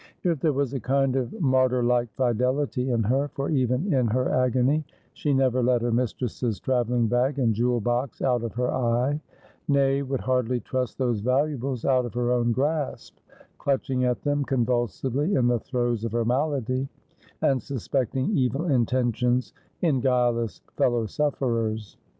Yet there was a kind of martyrlike fidelity in her ; for even in her agony she never let her mistress's travelling bag and jewel box out of her eye — nay, would hardly trust those valuables out of her own grasp, clutching at them convulsively in the throes of her malady, and suspecting evil intentions in guileless fellow sufferers.